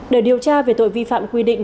để điều tra về tội vi phạm quy định